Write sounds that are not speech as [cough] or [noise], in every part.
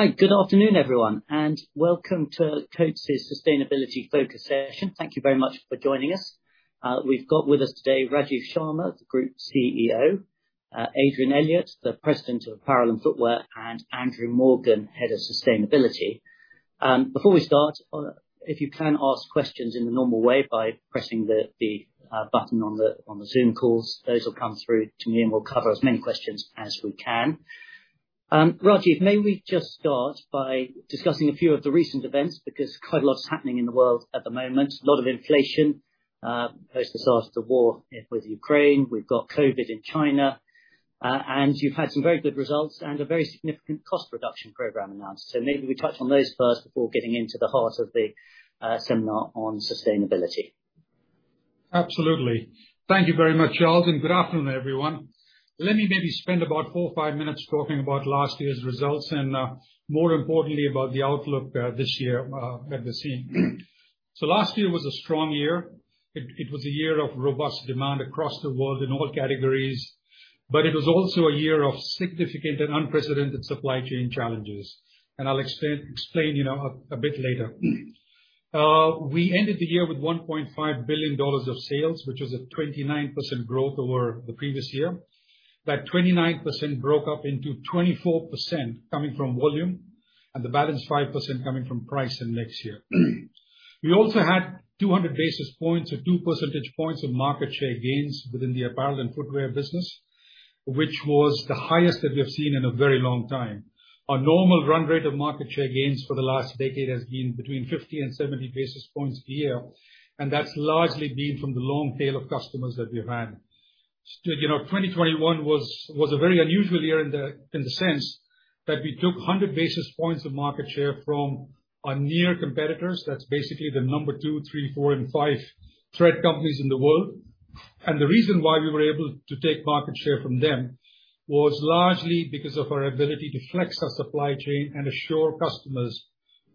Right. Good afternoon, everyone, and welcome to Coats' Sustainability Focus Session. Thank you very much for joining us. We've got with us today Rajiv Sharma, the Group CEO, Adrian Elliott, the President of Apparel and Footwear, and Andrew Morgan, Head of Sustainability. Before we start, if you can ask questions in the normal way by pressing the button on the Zoom calls, those will come through to me, and we'll cover as many questions as we can. Rajiv, may we just start by discussing a few of the recent events because quite a lot's happening in the world at the moment. A lot of inflation, post disaster war with Ukraine. We've got COVID in China. You've had some very good results and a very significant cost reduction program announced. Maybe we touch on those first before getting into the heart of the seminar on sustainability. Absolutely. Thank you very much, Charles, and good afternoon, everyone. Let me maybe spend about four or five minutes talking about last year's results and, more importantly, about the outlook this year at Coats. Last year was a strong year. It was a year of robust demand across the world in all categories, but it was also a year of significant and unprecedented supply chain challenges. I'll explain you know a bit later. We ended the year with $1.5 billion of sales, which was 29% growth over the previous year. That 29% broke up into 24% coming from volume and the balance 5% coming from price and mix here. We also had 200 basis points or two percentage points of market share gains within the Apparel and Footwear business, which was the highest that we have seen in a very long time. Our normal run rate of market share gains for the last decade has been between 50 and 70 basis points a year, and that's largely been from the long tail of customers that we've had. You know, 2021 was a very unusual year in the sense that we took 100 basis points of market share from our near competitors. That's basically the number two, three, four, and five thread companies in the world. The reason why we were able to take market share from them was largely because of our ability to flex our supply chain and assure customers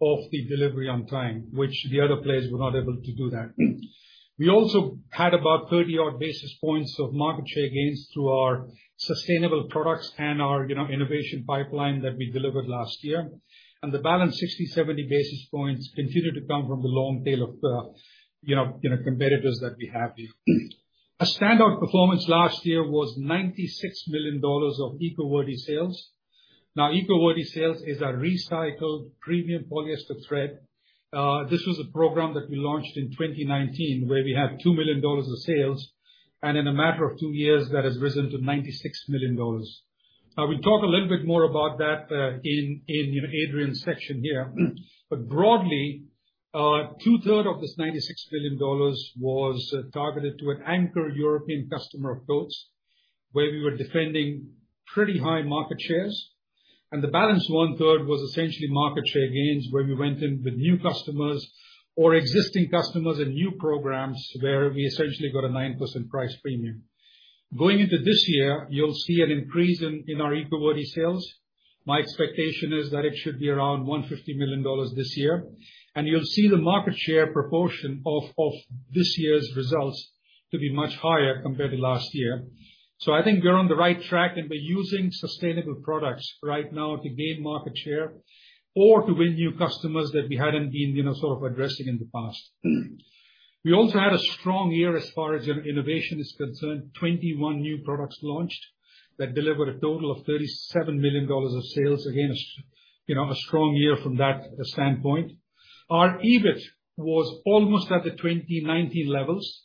of the delivery on time, which the other players were not able to do that. We also had about 30 odd basis points of market share gains through our sustainable products and our innovation pipeline that we delivered last year. The balance 60, 70 basis points continued to come from the long tail of competitors that we have here. A standout performance last year was $96 million of EcoVerde sales. Now, EcoVerde sales is our recycled premium polyester thread. This was a program that we launched in 2019, where we had $2 million of sales, and in a matter of two years, that has risen to $96 million. We'll talk a little bit more about that in you know Adrian's section here. Broadly, 2/3 of this $96 million was targeted to an anchor European customer of Coats, where we were defending pretty high market shares. The balance 1/3 was essentially market share gains, where we went in with new customers or existing customers and new programs where we essentially got a 9% price premium. Going into this year, you'll see an increase in our EcoVerde sales. My expectation is that it should be around $150 million this year. You'll see the market share proportion of this year's results to be much higher compared to last year. I think we're on the right track, and we're using sustainable products right now to gain market share or to win new customers that we hadn't been, you know, sort of addressing in the past. We also had a strong year as far as innovation is concerned. 21 new products launched that delivered a total of $37 million of sales. Again, you know, a strong year from that standpoint. Our EBIT was almost at the 2019 levels.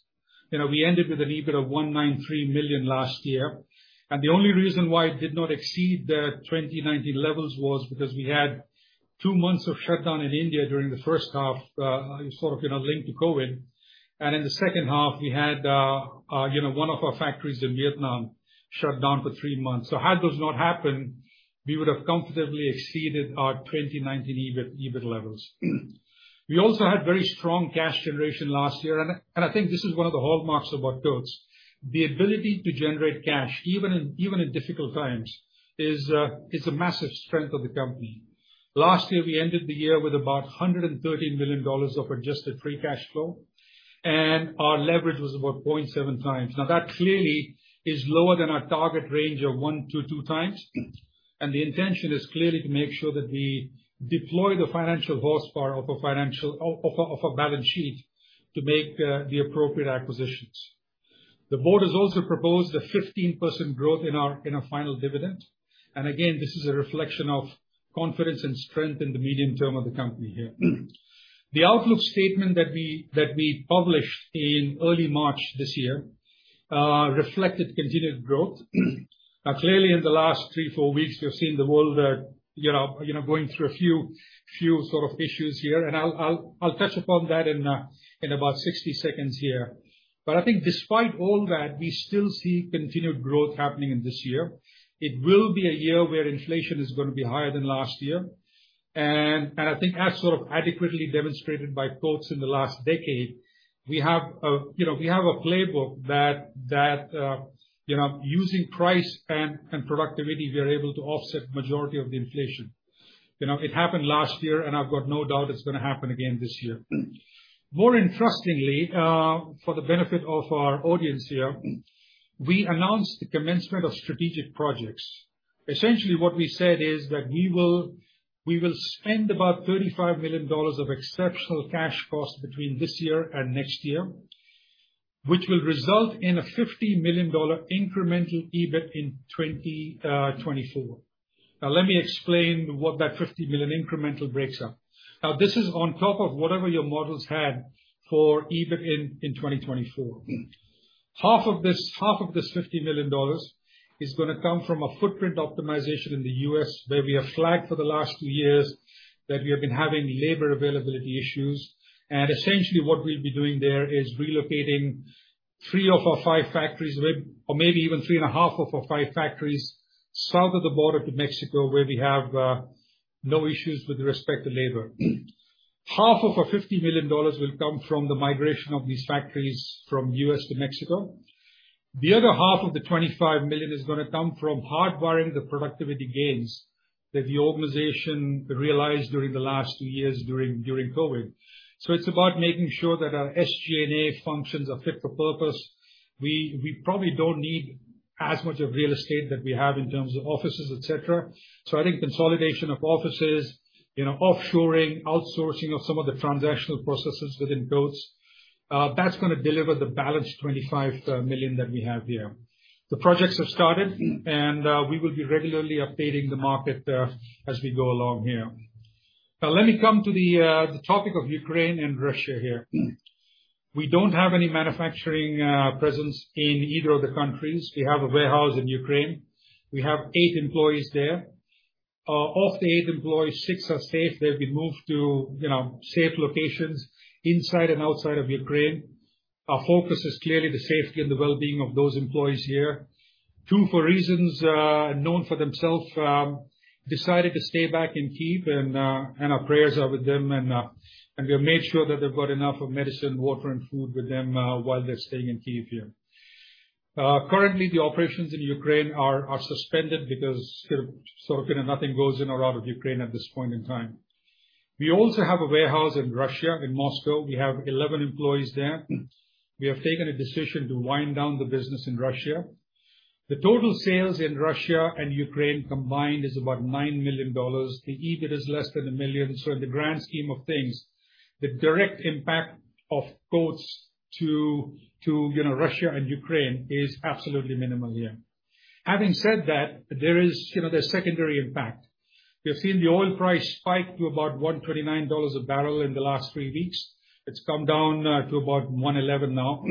You know, we ended with an EBIT of $193 million last year. The only reason why it did not exceed the 2019 levels was because we had two months of shutdown in India during the first half, sort of, you know, linked to COVID. In the second half, we had, you know, one of our factories in Vietnam shut down for three months. Had those not happened, we would have comfortably exceeded our 2019 EBIT levels. We also had very strong cash generation last year. I think this is one of the hallmarks about Coats. The ability to generate cash, even in difficult times, is a massive strength of the company. Last year, we ended the year with about $113 million of adjusted free cash flow, and our leverage was about 0.7 times. Now, that clearly is lower than our target range of 1-2 times. The intention is clearly to make sure that we deploy the financial horsepower of a balance sheet to make the appropriate acquisitions. The board has also proposed a 15% growth in our final dividend. Again, this is a reflection of confidence and strength in the medium term of the company here. The outlook statement that we published in early March this year reflected continued growth. Now, clearly, in the last three, four weeks, we've seen the world, you know, going through a few sort of issues here. I'll touch upon that in about 60 seconds here. I think despite all that, we still see continued growth happening in this year. It will be a year where inflation is gonna be higher than last year. I think as sort of adequately demonstrated by Coats in the last decade. We have a playbook that you know, using price and productivity, we are able to offset majority of the inflation. You know, it happened last year, and I've got no doubt it's gonna happen again this year. More interestingly, for the benefit of our audience here, we announced the commencement of strategic projects. Essentially what we said is that we will spend about $35 million of exceptional cash costs between this year and next year, which will result in a $50 million incremental EBIT in 2024. Now let me explain what that $50 million incremental breaks up. Now, this is on top of whatever your models had for EBIT in 2024. Half of this $50 million is gonna come from a footprint optimization in the U.S. where we have flagged for the last two years that we have been having labor availability issues. Essentially what we'll be doing there is relocating three of our five factories, or maybe even three and a half of our five factories, south of the border to Mexico, where we have no issues with respect to labor. Half of our $50 million will come from the migration of these factories from U.S. to Mexico. The other half of the $25 million is gonna come from hardwiring the productivity gains that the organization realized during the last two years during COVID. It's about making sure that our SG&A functions are fit for purpose. We probably don't need as much real estate that we have in terms of offices, et cetera. I think consolidation of offices, you know, offshoring, outsourcing of some of the transactional processes within Coats, that's gonna deliver the balance $25 million that we have here. The projects have started, and we will be regularly updating the market as we go along here. Now let me come to the topic of Ukraine and Russia here. We don't have any manufacturing presence in either of the countries. We have a warehouse in Ukraine. We have eight employees there. Of the eight employees, six are safe. They've been moved to, you know, safe locations inside and outside of Ukraine. Our focus is clearly the safety and the well-being of those employees here. Two, for reasons known to themselves, decided to stay back in Kyiv, and our prayers are with them, and we have made sure that they've got enough of medicine, water, and food with them while they're staying in Kyiv here. Currently, the operations in Ukraine are suspended because sort of you know, nothing goes in or out of Ukraine at this point in time. We also have a warehouse in Russia, in Moscow. We have 11 employees there. We have taken a decision to wind down the business in Russia. The total sales in Russia and Ukraine combined is about $9 million. The EBIT is less than a million. In the grand scheme of things, the direct impact of Coats to, you know, Russia and Ukraine is absolutely minimal here. Having said that, there is, you know, the secondary impact. We've seen the oil price spike to about $129 a barrel in the last three weeks. It's come down to about $111 now.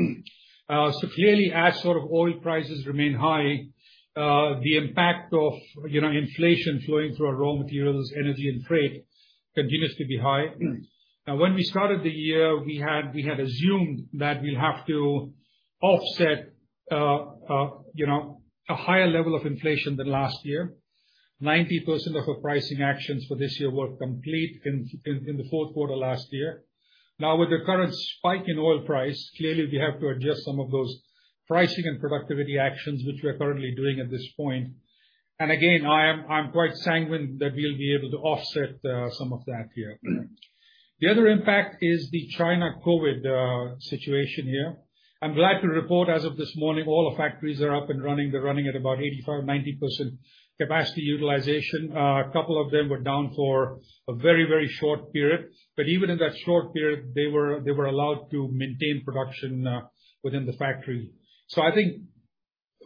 So clearly, as sort of oil prices remain high, the impact of, inflation flowing through our raw materials, energy, and freight continues to be high. Now, when we started the year, we had assumed that we'll have to offset, you know, a higher level of inflation than last year. 90% of our pricing actions for this year were complete in the fourth quarter last year. Now, with the current spike in oil price, clearly we have to adjust some of those pricing and productivity actions, which we are currently doing at this point. Again, I am quite sanguine that we'll be able to offset some of that here. The other impact is the China COVID situation here. I'm glad to report as of this morning, all our factories are up and running. They're running at about 85%-90% capacity utilization. A couple of them were down for a very, very short period, but even in that short period, they were allowed to maintain production within the factory. I think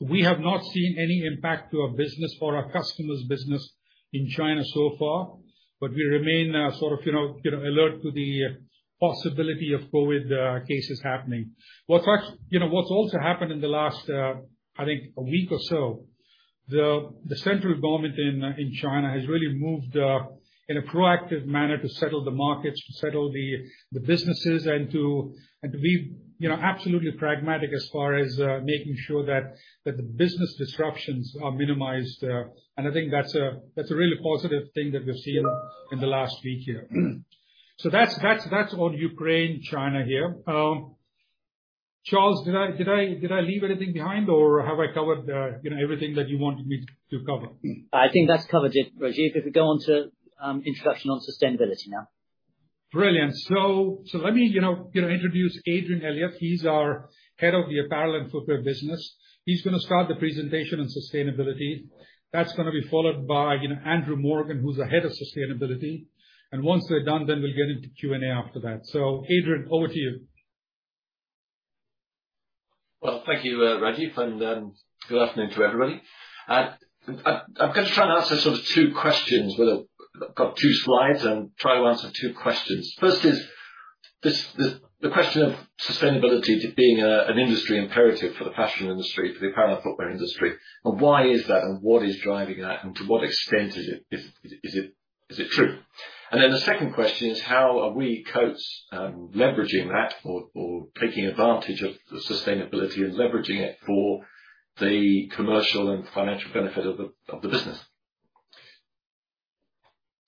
we have not seen any impact to our business or our customers' business in China so far, but we remain sort of, you know, alert to the possibility of COVID cases happening. You know, what's also happened in the last, I think a week or so, the central government in China has really moved in a proactive manner to settle the markets, to settle the businesses, and to be you know, absolutely pragmatic as far as making sure that the business disruptions are minimized. I think that's a really positive thing that we've seen in the last week here. That's on Ukraine, China here. Charles, did I leave anything behind, or have I covered you know, everything that you wanted me to cover? I think that's covered it, Rajiv. If we go on to introduction on sustainability now. Brilliant. Let me, you know, introduce Adrian Elliott. He's our Head of the Apparel and Footwear Business. He's gonna start the presentation on sustainability. That's gonna be followed by, you know, Andrew Morgan, who's the Head of Sustainability. Once they're done, then we'll get into Q&A after that. Adrian, over to you. Well, thank you, Rajiv, and good afternoon to everybody. I'm gonna try and answer sort of two questions. Well, I've got two slides and try to answer two questions. First is this, the question of sustainability to being an industry imperative for the fashion industry, for the apparel and footwear industry, and why is that, and what is driving that, and to what extent is it true? Then the second question is, how are we, Coats, leveraging that or taking advantage of the sustainability and leveraging it for the commercial and financial benefit of the business?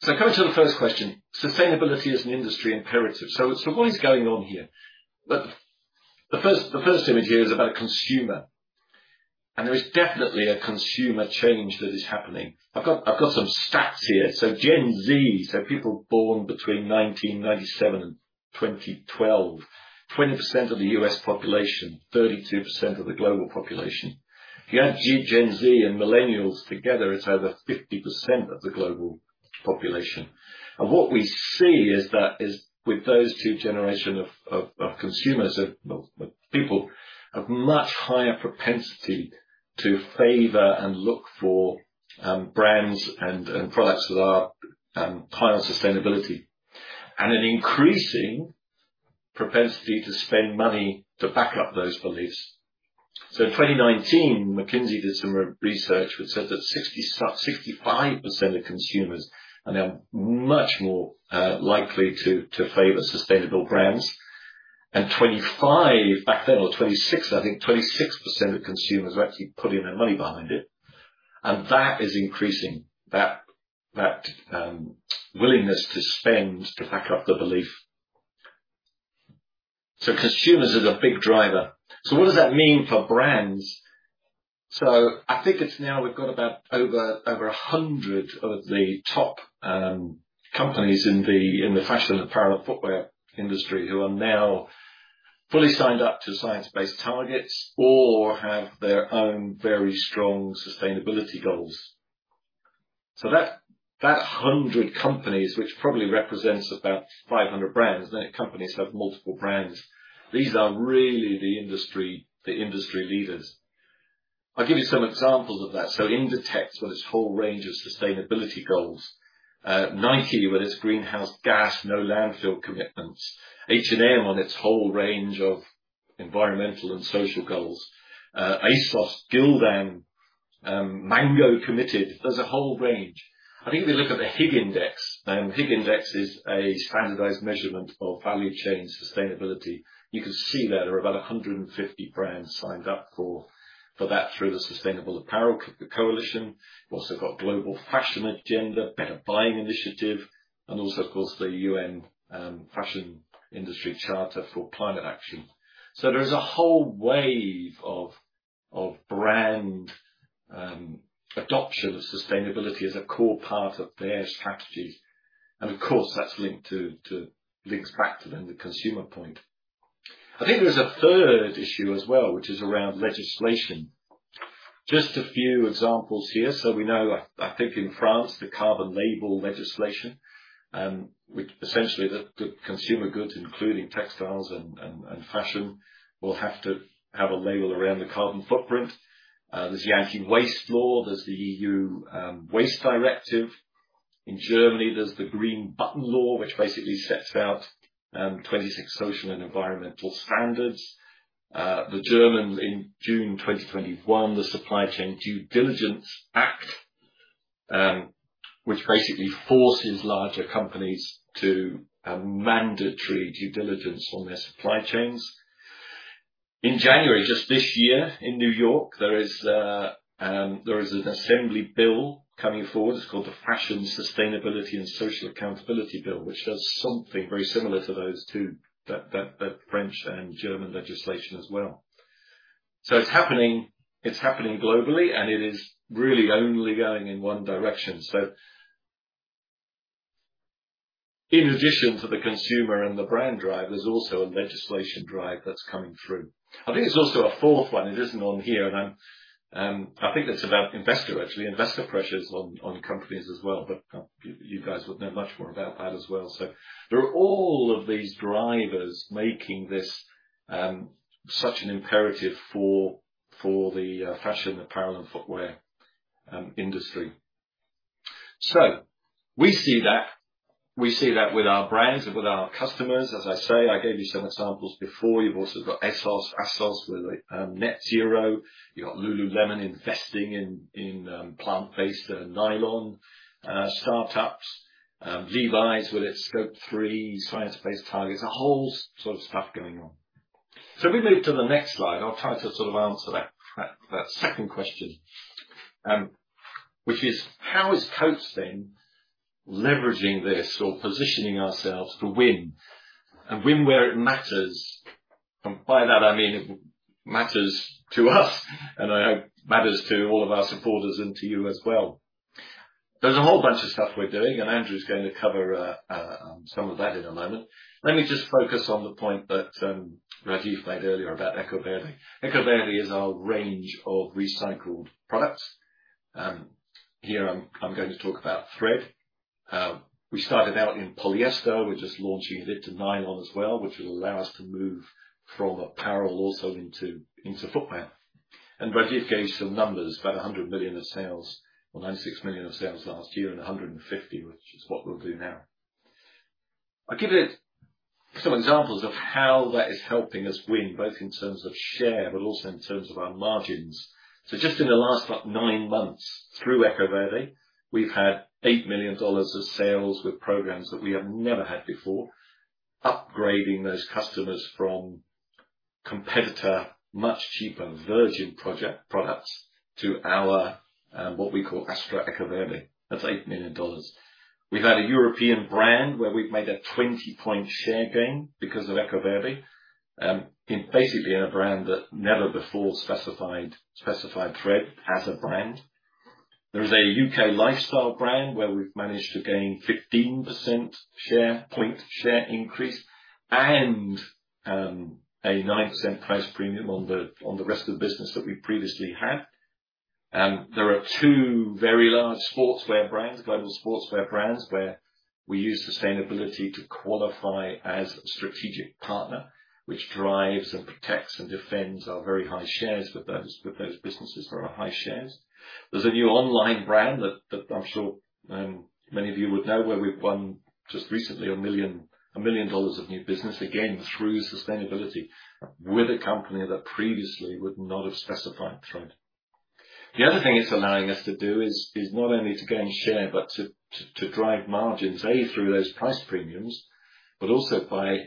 Coming to the first question, sustainability is an industry imperative. What is going on here? The first image here is about consumer, and there is definitely a consumer change that is happening. I've got some stats here. Gen Z, people born between 1997 and 2012. 20% of the U.S. population, 32% of the global population. If you add Gen Z and Millennials together, it's over 50% of the global population. What we see is that with those two generations of consumers, well, people, have much higher propensity to favor and look for brands and products that are high on sustainability, and an increasing propensity to spend money to back up those beliefs. In 2019, McKinsey did some research which said that 65% of consumers are now much more likely to favor sustainable brands. 25 back then, or 26, I think, 26% of consumers were actually putting their money behind it. That is increasing willingness to spend to back up the belief. Consumers is a big driver. What does that mean for brands? I think it's now we've got about over 100 of the top companies in the fashion, apparel, and footwear industry who are now fully signed up to Science Based Targets or have their own very strong sustainability goals. That hundred companies, which probably represents about 500 brands, many companies have multiple brands. These are really the industry leaders. I'll give you some examples of that. Inditex, with its whole range of sustainability goals. Nike, with its greenhouse gas, no landfill commitments. H&M on its whole range of environmental and social goals. ASOS, Gildan, Mango committed. There's a whole range. I think if you look at the Higg Index, Higg Index is a standardized measurement of value chain sustainability. You can see there are about 150 brands signed up for that through the Sustainable Apparel Coalition. You've also got Global Fashion Agenda, Better Buying Institute, and also, of course, the UN Fashion Industry Charter for Climate Action. There is a whole wave of brand adoption of sustainability as a core part of their strategy. Of course, that's links back to the consumer point. I think there's a third issue as well, which is around legislation. Just a few examples here. We know, I think in France, the carbon label legislation, which essentially the consumer goods, including textiles and fashion, will have to have a label around the carbon footprint. There's the Anti-Waste Law. There's the EU Waste Directive. In Germany, there's the Green Button Law, which basically sets out 26 social and environmental standards. In June 2021, the German Supply Chain Due Diligence Act, which basically forces larger companies to have mandatory due diligence on their supply chains. In January, just this year, in New York, there is an assembly bill coming forward. It's called the Fashion Sustainability and Social Accountability bill, which does something very similar to those two that French and German legislation as well. It's happening globally, and it is really only going in one direction. In addition to the consumer and the brand drive, there's also a legislation drive that's coming through. I think there's also a fourth one. It isn't on here, and I think it's about investor actually. Investor pressures on companies as well. You guys would know much more about that as well. There are all of these drivers making this such an imperative for the fashion, apparel and footwear industry. We see that. We see that with our brands and with our customers. As I say, I gave you some examples before. You've also got ASOS with net zero. You got Lululemon investing in plant-based nylon startups. Levi's with its Scope 3 Science Based Targets. A whole sort of stuff going on. If we move to the next slide, I'll try to sort of answer that second question, which is how is Coats then leveraging this or positioning ourselves to win and win where it matters? By that I mean it matters to us and I hope matters to all of our supporters and to you as well. There's a whole bunch of stuff we're doing, and Andrew is going to cover some of that in a moment. Let me just focus on the point that Rajiv made earlier about EcoVerde. EcoVerde is our range of recycled products. Here I'm going to talk about thread. We started out in polyester. We're just launching it into nylon as well, which will allow us to move from apparel also into footwear. Rajiv gave some numbers, about $100 million of sales or $96 million of sales last year and $150 million, which is what we'll do now. I'll give you some examples of how that is helping us win, both in terms of share but also in terms of our margins. Just in the last like nine months, through EcoVerde, we've had $8 million of sales with programs that we have never had before, upgrading those customers from competitor much cheaper virgin products to our, what we call Astra EcoVerde. That's $8 million. We've had a European brand where we've made a 20-point share gain because of EcoVerde in basically in a brand that never before specified thread as a brand. There is a UK lifestyle brand where we've managed to gain 15 percentage point share increase and a 9% price premium on the rest of the business that we previously had. There are two very large global sportswear brands where we use sustainability to qualify as a strategic partner, which drives and protects and defends our very high shares with those businesses that are high shares. There's a new online brand that I'm sure many of you would know where we've won just recently $1 million of new business again through sustainability with a company that previously would not have specified thread. The other thing it's allowing us to do is not only to gain share, but to drive margins through those price premiums, but also by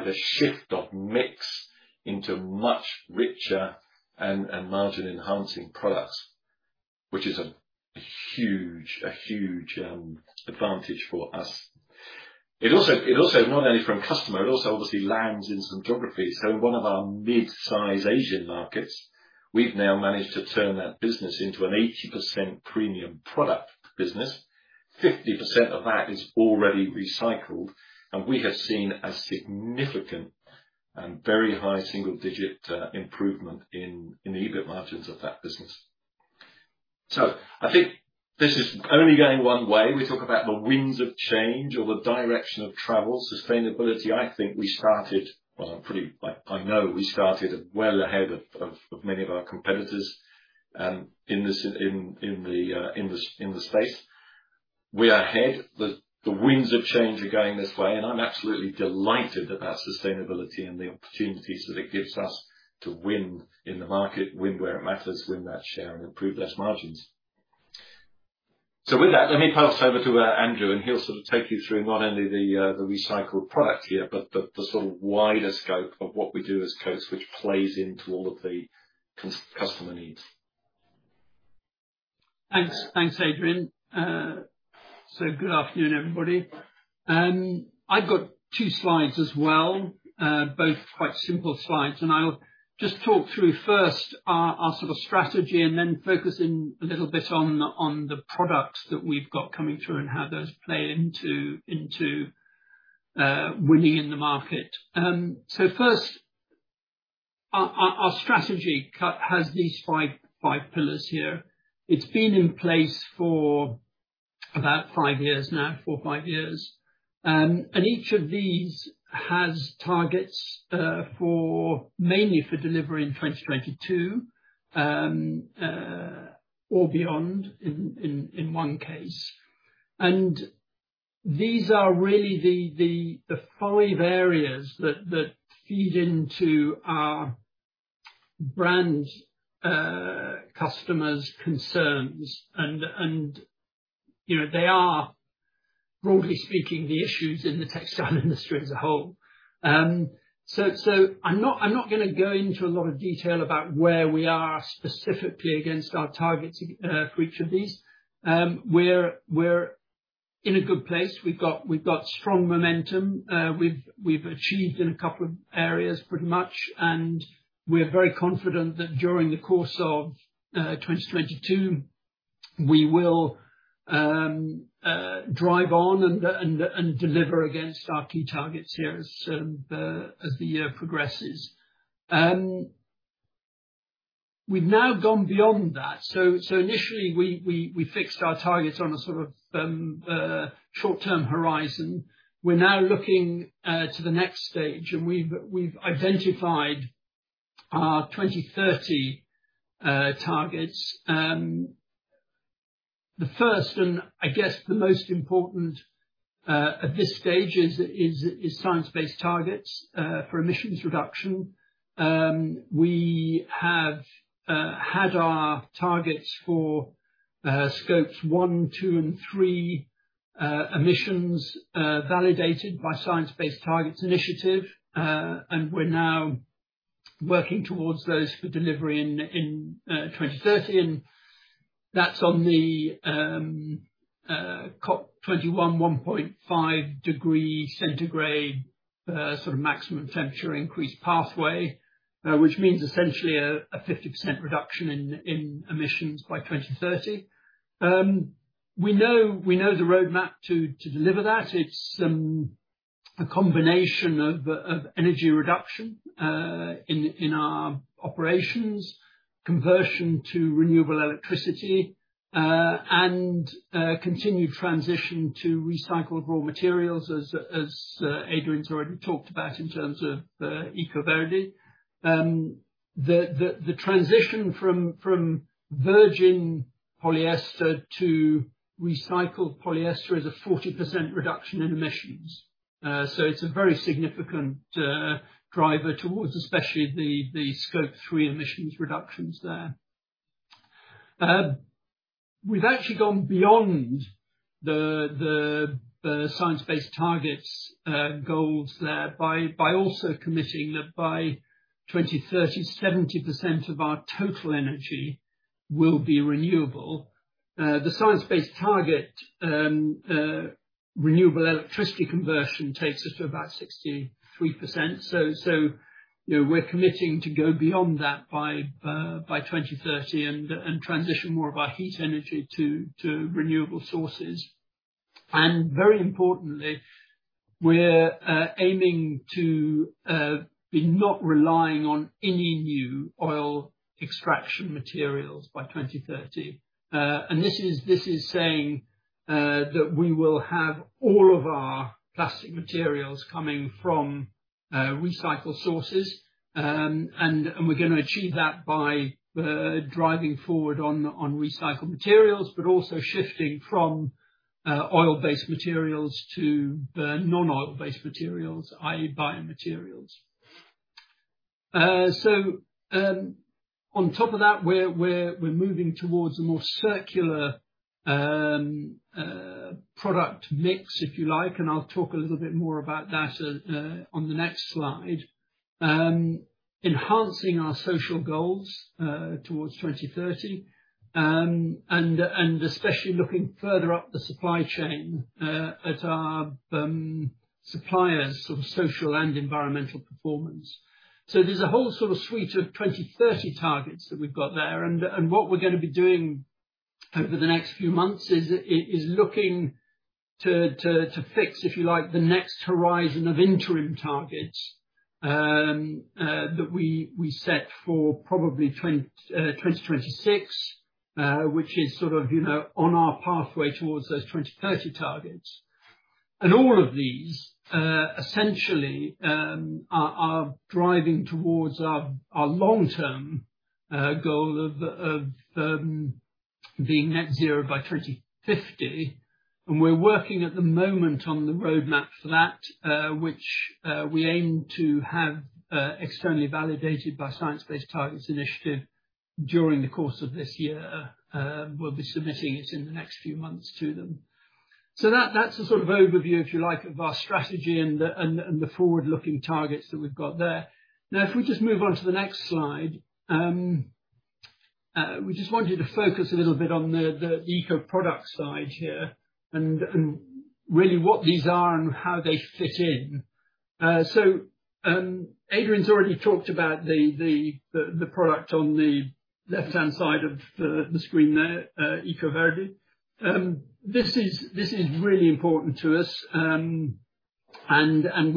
the shift of mix into much richer and margin-enhancing products, which is a huge advantage for us. It also is not only from customer. It also obviously lands in some geographies. In one of our mid-size Asian markets, we've now managed to turn that business into an 80% premium product business. 50% of that is already recycled, and we have seen a significant and very high single-digit improvement in the EBIT margins of that business. I think this is only going one way. We talk about the winds of change or the direction of travel. Sustainability, I think we started. Well, I know we started well ahead of many of our competitors in this space. We are ahead. The winds of change are going this way, and I'm absolutely delighted about sustainability and the opportunities that it gives us to win in the market, win where it matters, win that share and improve those margins. With that, let me pass over to Andrew, and he'll sort of take you through not only the recycled product here, but the sort of wider scope of what we do as Coats, which plays into all of the customer needs. Thanks, Adrian. Good afternoon, everybody. I've got two slides as well, both quite simple slides, and I'll just talk through first our sort of strategy and then focus in a little bit on the products that we've got coming through and how those play into winning in the market. First, our strategy has these five pillars here. It's been in place for about five years now, four, five years. Each of these has targets mainly for delivery in 2022 or beyond in one case. These are really the five areas that feed into our brand customers' concerns and, you know, they are, broadly speaking, the issues in the textile industry as a whole. I'm not gonna go into a lot of detail about where we are specifically against our targets for each of these. We're in a good place. We've got strong momentum. We've achieved in a couple of areas pretty much, and we're very confident that during the course of 2022, we will drive on and deliver against our key targets here as the year progresses. We've now gone beyond that. Initially we fixed our targets on a sort of short-term horizon. We're now looking to the next stage, and we've identified our 2030 targets. The first, and I guess the most important at this stage is Science Based Targets for emissions reduction. We have had our targets for Scope 1, Scope 2, and Scope 3 emissions validated by Science Based Targets initiative, and we're now working towards those for delivery in 2030. That's on the COP21, 1.5 degrees Celsius sort of maximum temperature increase pathway, which means essentially a 50% reduction in emissions by 2030. We know the roadmap to deliver that. It's a combination of energy reduction in our operations, conversion to renewable electricity, and continued transition to recycled raw materials as Adrian's already talked about in terms of EcoVerde. The transition from virgin polyester to recycled polyester is a 40% reduction in emissions. It's a very significant driver towards especially the Scope 3 emissions reductions there. We've actually gone beyond the Science Based Targets goals there by also committing that by 2030, 70% of our total energy will be renewable. The Science Based Target renewable electricity conversion takes us to about 63%. We're committing to go beyond that by 2030 and transition more of our heat energy to renewable sources. Very importantly, we're aiming to be not relying on any new oil extraction materials by 2030. This is saying that we will have all of our plastic materials coming from recycled sources. We're gonna achieve that by driving forward on recycled materials, but also shifting from oil-based materials to non-oil-based materials, i.e., biomaterials. On top of that, we're moving towards a more circular product mix, if you like, and I'll talk a little bit more about that on the next slide. Enhancing our social goals towards 2030 and especially looking further up the supply chain at our suppliers' sort of social and environmental performance. There's a whole sort of suite of 2030 targets that we've got there. What we're gonna be doing over the next few months is looking to fix, if you like, the next horizon of interim targets that we set for probably 2026, which is sort of, you know, on our pathway towards those 2030 targets. All of these essentially are driving towards our long-term goal of being net zero by 2050. We're working at the moment on the roadmap for that, which we aim to have externally validated by Science Based Targets initiative during the course of this year. We'll be submitting it in the next few months to them. That's the sort of overview, if you like, of our strategy and the forward-looking targets that we've got there. Now, if we just move on to the next slide, we just want you to focus a little bit on the eco product side here and really what these are and how they fit in. Adrian's already talked about the product on the left-hand side of the screen there, EcoVerde. This is really important to us. We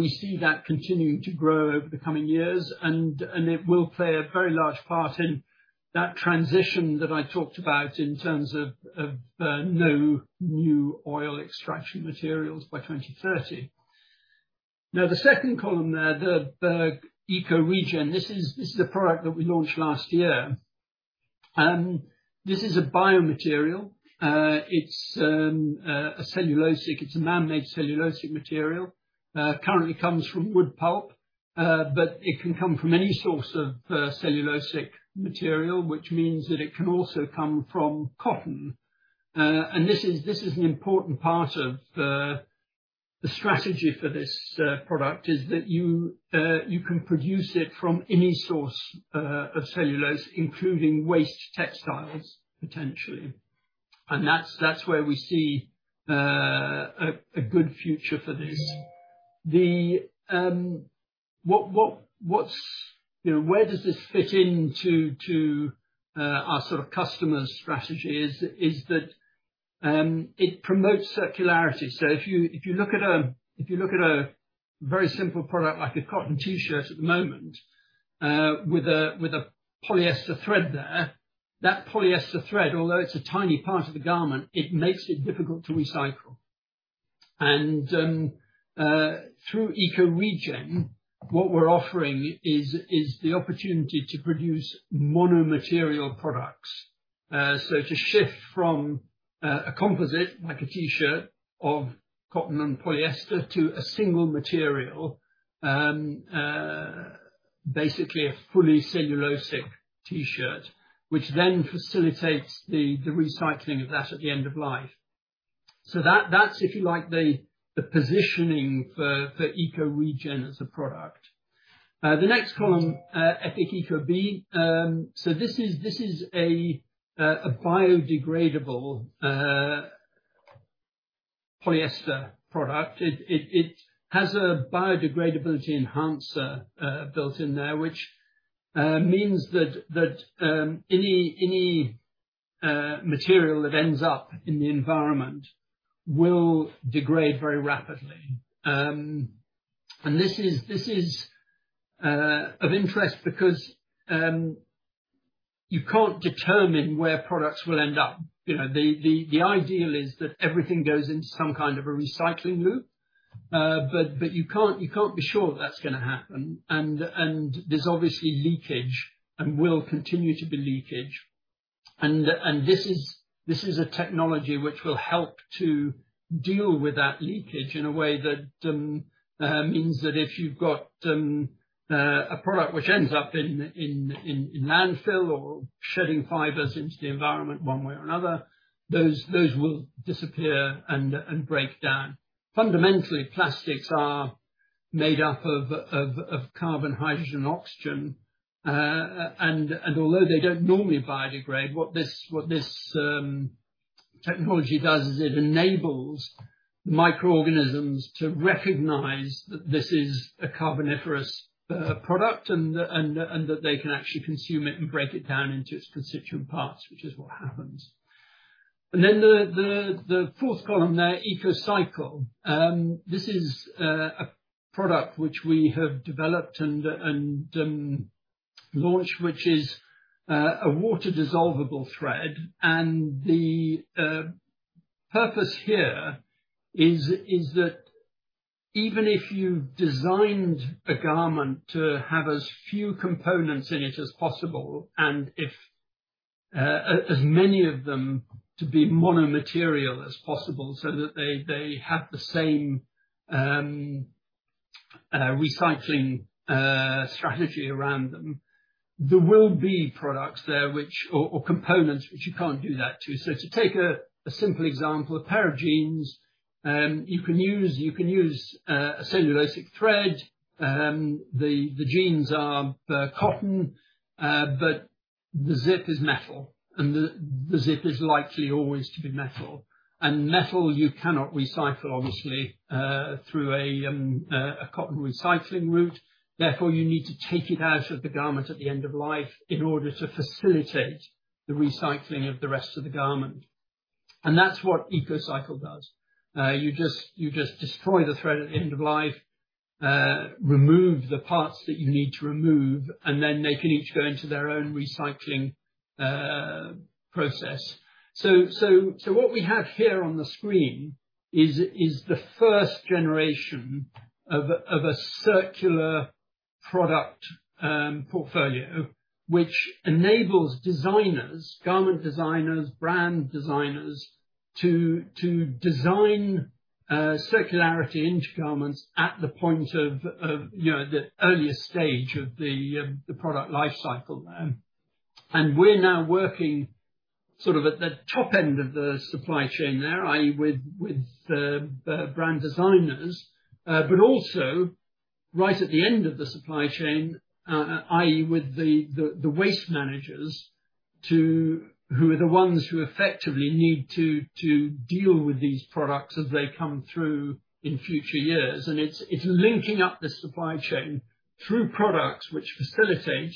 see that continuing to grow over the coming years, and it will play a very large part in that transition that I talked about in terms of no new oil extraction materials by 2030. Now, the second column there, the EcoRegen, this is a product that we launched last year. This is a biomaterial. It's a cellulosic. It's a man-made cellulosic material. Currently comes from wood pulp, but it can come from any source of cellulosic material, which means that it can also come from cotton. This is an important part of the strategy for this product, is that you can produce it from any source of cellulose, including waste textiles, potentially. That's where we see a good future for this. You know, where does this fit into our sort of customer strategy is that it promotes circularity. If you look at a very simple product like a cotton T-shirt at the moment, with a polyester thread there, that polyester thread, although it's a tiny part of the garment, it makes it difficult to recycle. Through EcoRegen, what we're offering is the opportunity to produce mono material products. To shift from a composite like a T-shirt of cotton and polyester to a single material, basically a fully cellulosic T-shirt, which then facilitates the recycling of that at the end of life. That's if you like the positioning for EcoRegen as a product. The next column, Epic Eco-B. This is a biodegradable polyester product. It has a biodegradability enhancer built in there, which means that any material that ends up in the environment will degrade very rapidly. This is of interest because you can't determine where products will end up. You know, the ideal is that everything goes into some kind of a recycling loop. You can't be sure that's gonna happen. There's obviously leakage and will continue to be leakage. This is a technology which will help to deal with that leakage in a way that means that if you've got a product which ends up in landfill or shedding fibers into the environment one way or another, those will disappear and break down. Fundamentally, plastics are made up of carbon, hydrogen, oxygen. Although they don't normally biodegrade, what this technology does is it enables microorganisms to recognize that this is a carboniferous product and that they can actually consume it and break it down into its constituent parts, which is what happens. The fourth column there, EcoCycle. This is a product which we have developed and launched, which is a water-dissolvable thread. The purpose here is that even if you designed a garment to have as few components in it as possible, and if as many of them to be mono-material as possible so that they have the same recycling strategy around them, there will be products there which or components which you can't do that to. To take a simple example, a pair of jeans, you can use a cellulosic thread. The jeans are cotton, but the zip is metal, and the zip is likely always to be metal. Metal, you cannot recycle, obviously, through a cotton recycling route. Therefore, you need to take it out of the garment at the end of life in order to facilitate the recycling of the rest of the garment. That's what EcoCycle does. You just destroy the thread at end of life, remove the parts that you need to remove, and then they can each go into their own recycling process. What we have here on the screen is the first generation of a circular product portfolio, which enables designers, garment designers, brand designers to design circularity into garments at the point of, you know, the earliest stage of the product life cycle. We're now working sort of at the top end of the supply chain there, i.e. with the brand designers, but also right at the end of the supply chain, i.e. with the waste managers who are the ones who effectively need to deal with these products as they come through in future years. It's linking up the supply chain through products which facilitate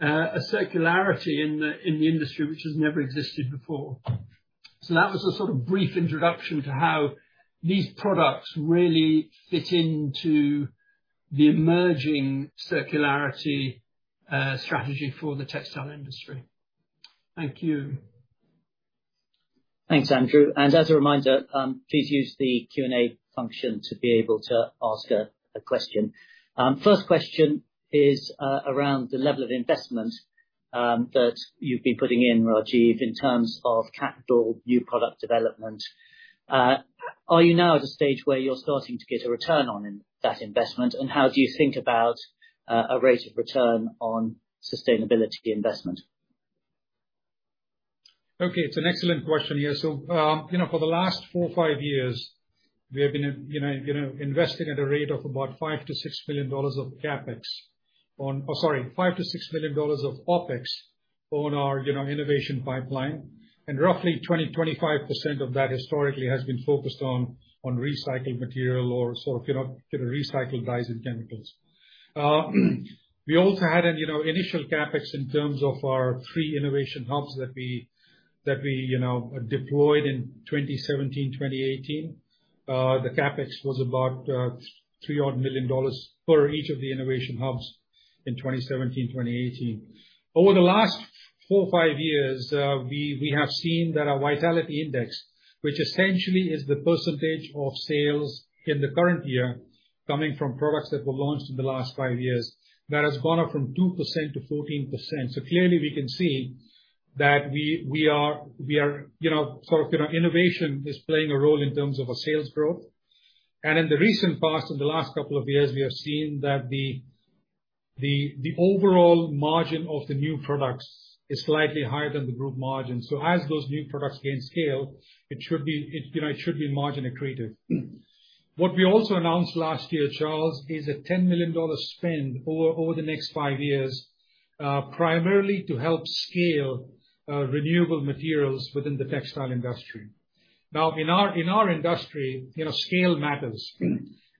a circularity in the industry which has never existed before. That was a sort of brief introduction to how these products really fit into the emerging circularity strategy for the textile industry. Thank you. Thanks, Andrew. As a reminder, please use the Q&A function to be able to ask a question. First question is around the level of investment that you've been putting in, Rajiv, in terms of capital, new product development. Are you now at a stage where you're starting to get a return on that investment, and how do you think about a rate of return on sustainability investment? Okay, it's an excellent question, yeah. You know, for the last four or five years, we have been investing at a rate of about $5 million-$6 million of CapEx on. Or sorry, $5 million-$6 million of OpEx on our innovation pipeline. Roughly 20%-25% of that historically has been focused on recycled material or sort of recycled dyes and chemicals. We also had an initial CapEx in terms of our three innovation hubs that we deployed in 2017, 2018. The CapEx was about $3 million for each of the innovation hubs in 2017, 2018. Over the last four or five years, we have seen that our Vitality Index, which essentially is the percentage of sales in the current year coming from products that were launched in the last five years, has gone up from 2%-14%. Clearly we can see that we are. You know, sort of, you know, innovation is playing a role in terms of our sales growth. In the recent past, in the last couple of years, we have seen that the overall margin of the new products is slightly higher than the group margin. As those new products gain scale, it should be, you know, it should be margin accretive. What we also announced last year, Charles, is a $10 million spend over the next five years, primarily to help scale renewable materials within the textile industry. Now, in our industry, you know, scale matters.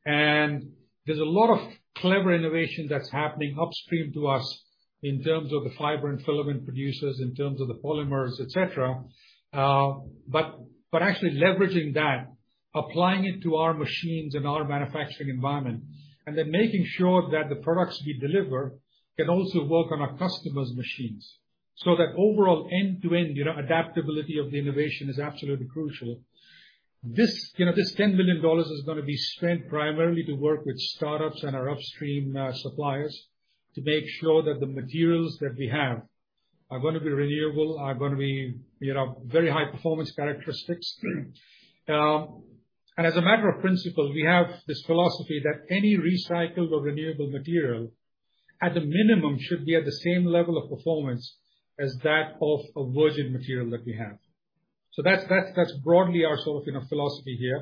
There's a lot of clever innovation that's happening upstream to us in terms of the fiber and filament producers, in terms of the polymers, et cetera. But actually leveraging that, applying it to our machines and our manufacturing environment, and then making sure that the products we deliver can also work on our customers' machines. That overall end-to-end, you know, adaptability of the innovation is absolutely crucial. This, you know, $10 million is gonna be spent primarily to work with startups and our upstream suppliers to make sure that the materials that we have are gonna be renewable, are gonna be, you know, very high performance characteristics. As a matter of principle, we have this philosophy that any recycled or renewable material, at the minimum, should be at the same level of performance as that of a virgin material that we have. That's broadly our sort of, you know, philosophy here.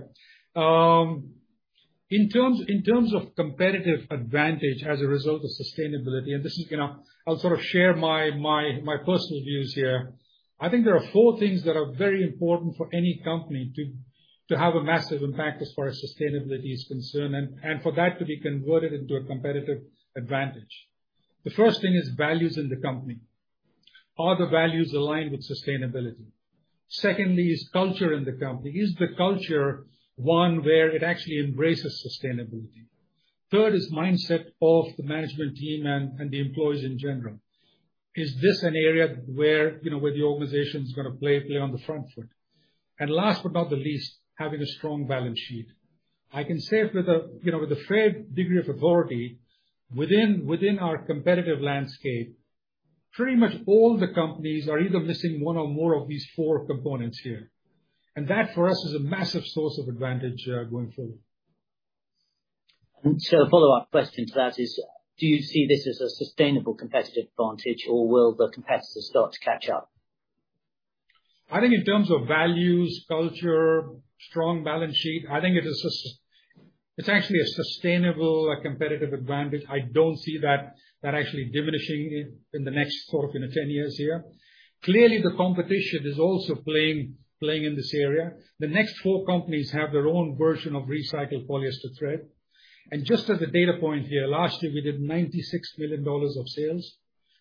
In terms of competitive advantage as a result of sustainability, this is gonna. I'll sort of share my personal views here. I think there are four things that are very important for any company to have a massive impact as far as sustainability is concerned and for that to be converted into a competitive advantage. The first thing is values in the company. Are the values aligned with sustainability? Secondly is culture in the company. Is the culture one where it actually embraces sustainability? Third is mindset of the management team and the employees in general. Is this an area where, you know, where the organization is gonna play on the front foot? Last but not the least, having a strong balance sheet. I can say it with a, you know, with a fair degree of authority within our competitive landscape, pretty much all the companies are either missing one or more of these four components here. That, for us, is a massive source of advantage, going forward. A follow-up question to that is, do you see this as a sustainable competitive advantage, or will the competitors start to catch up? I think in terms of values, culture, strong balance sheet, I think it is actually a sustainable competitive advantage. I don't see that actually diminishing in the next sort of, you know, 10 years here. Clearly, the competition is also playing in this area. The next four companies have their own version of recycled polyester thread. Just as a data point here, last year we did $96 million of sales.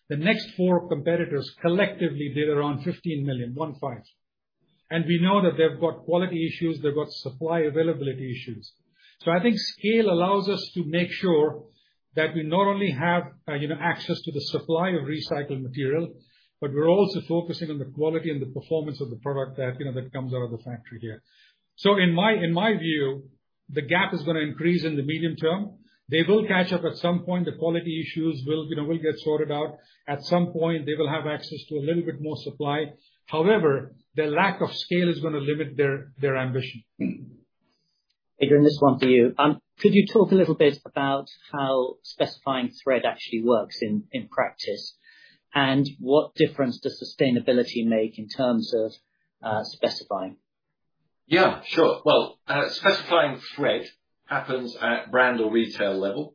The next four competitors collectively did around $15 million. We know that they've got quality issues, they've got supply availability issues. I think scale allows us to make sure that we not only have, you know, access to the supply of recycled material, but we're also focusing on the quality and the performance of the product that, you know, that comes out of the factory here. In my view, the gap is gonna increase in the medium term. They will catch up at some point. The quality issues will, you know, will get sorted out. At some point, they will have access to a little bit more supply. However, their lack of scale is gonna limit their ambition. Adrian, this one for you. Could you talk a little bit about how specifying thread actually works in practice? What difference does sustainability make in terms of specifying? Yeah, sure. Well, specifying thread happens at brand or retail level.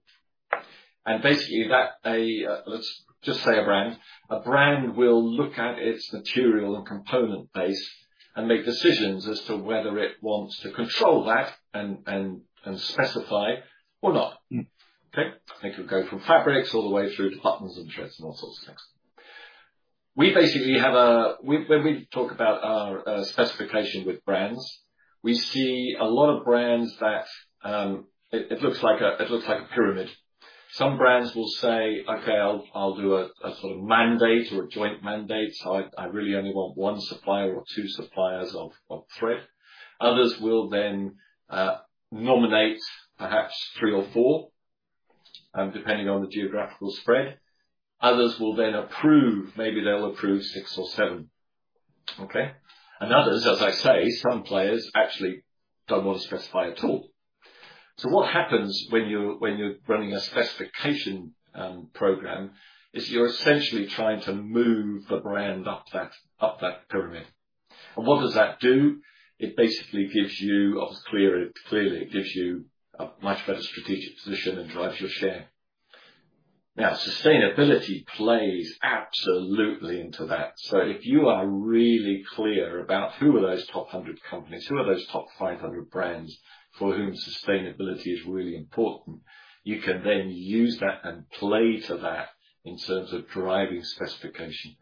Basically, let's just say a brand. A brand will look at its material and component base and make decisions as to whether it wants to control that and specify or not. Okay? They could go from fabrics all the way through to buttons and threads and all sorts of things. We basically have a. When we talk about our specification with brands, we see a lot of brands that it looks like a pyramid. Some brands will say, "Okay, I'll do a sort of mandate or a joint mandate. I really only want one supplier or two suppliers of thread." Others will then nominate perhaps three or four depending on the geographical spread. Others will then approve. Maybe they'll approve six or seven, okay? Others, as I say, some players actually don't want to specify at all. What happens when you're running a specification program is you're essentially trying to move the brand up that pyramid. What does that do? Clearly, it gives you a much better strategic position and drives your share. Now, sustainability plays absolutely into that. If you are really clear about who are those top 100 companies, who are those top 500 brands for whom sustainability is really important, you can then use that and play to that in terms of driving specification.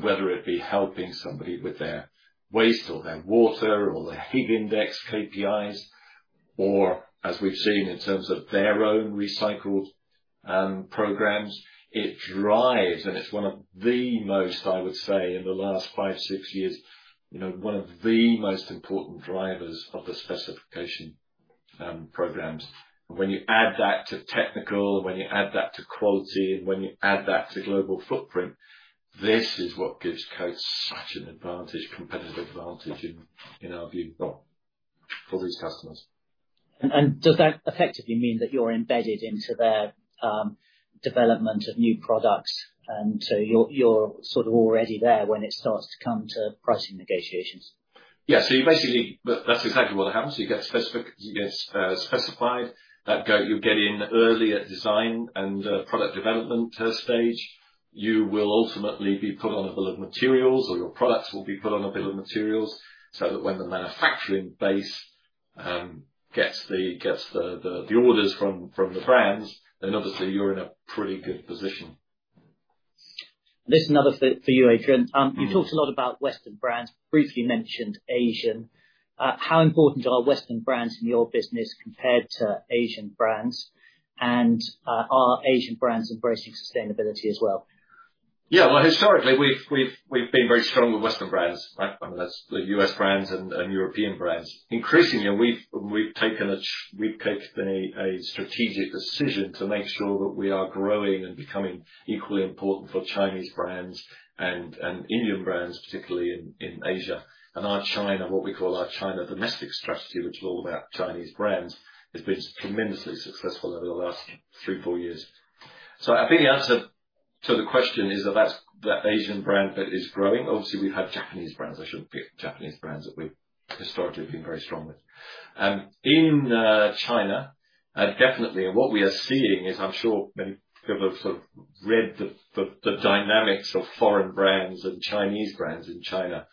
Whether it be helping somebody with their waste or their water or their Higg Index KPIs or, as we've seen in terms of their own recycled programs, it drives, and it's one of the most, I would say, in the last five, six years, you know, one of the most important drivers of the specification programs. When you add that to technical, when you add that to quality, and when you add that to global footprint, this is what gives Coats such an advantage, competitive advantage in our view, for these customers. Does that effectively mean that you're embedded into their development of new products and so you're sort of already there when it starts to come to pricing negotiations? Yeah. That's exactly what happens. You get specified. You get in early at design and product development stage. You will ultimately be put on a bill of materials or your products will be put on a bill of materials so that when the manufacturing base gets the orders from the brands, then obviously you're in a pretty good position. This is another for you, Adrian. You've talked a lot about Western brands. Briefly mentioned Asian. How important are Western brands in your business compared to Asian brands? Are Asian brands embracing sustainability as well? Yeah. Well, historically, we've been very strong with Western brands. Right? I mean, that's the U.S. brands and European brands. Increasingly, we've taken a strategic decision to make sure that we are growing and becoming equally important for Chinese brands and Indian brands, particularly in Asia. Our China, what we call our China domestic strategy, which is all about Chinese brands, has been tremendously successful over the last three, four years. The question is, if that's the Asian brand that is growing, obviously we have Japanese brands. I should pick Japanese brands that we've historically been very strong with. In China, definitely and what we are seeing is, I'm sure many people have sort of read the dynamics of foreign brands and Chinese brands in China.